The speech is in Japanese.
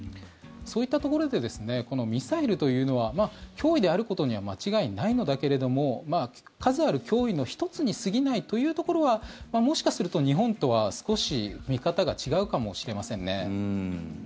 そういったところでこのミサイルというのは脅威であることには間違いないのだけれども数ある脅威の１つにすぎないというところはもしかすると日本とは少し見方が違うかもしれません。